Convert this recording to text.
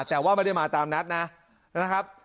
แต่ว่าไม่ได้มาตามนัดนะครับ